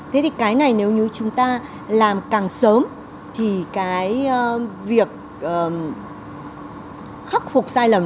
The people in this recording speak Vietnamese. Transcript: thế thì cái này nếu như chúng ta làm càng sớm thì cái việc khắc phục sai lầm